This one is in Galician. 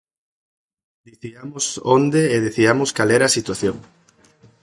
Diciamos onde e diciamos cal era a situación.